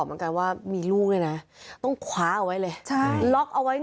มันเติดขึ้นทุกเวลาก็ได้แหละครับ